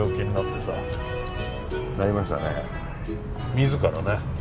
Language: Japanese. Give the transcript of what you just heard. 自らね。